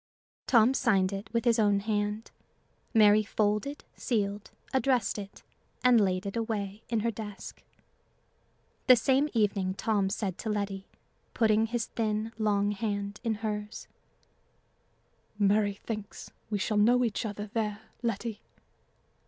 Tom signed it with his own hand. Mary folded, sealed, addressed it, and laid it away in her desk. The same evening Tom said to Letty, putting his thin, long hand in hers "Mary thinks we shall know each other there, Letty."